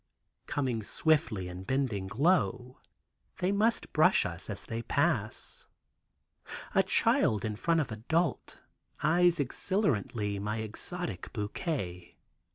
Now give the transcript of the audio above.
Coming swiftly, and bending low, they must brush us as they pass. A child in front of adult, eyes exhilarantly my exotic bouquet.